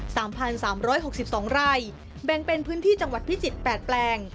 สามพันสามร้อยหกสิบสองไร่แบ่งเป็นพื้นที่จังหวัดพิจิตรแปดแปลง